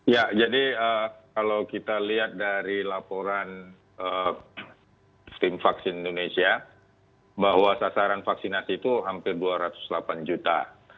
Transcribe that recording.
ya jadi kalau kita lihat dari laporan tim vaksin indonesia bahwa sasaran vaksinasi itu hampir dua ratus delapan juta